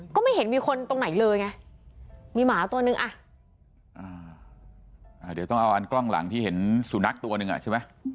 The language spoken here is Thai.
ก็ไม่เห็นมีคนตรงไหนเลยไงมีหมาตัวนึงอ่ะอ่าเดี๋ยวต้องเอาอันกล้องหลังที่เห็นสุนัขตัวหนึ่งอ่ะใช่ไหม